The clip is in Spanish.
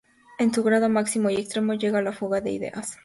En su grado máximo y extremo llega a la fuga de ideas.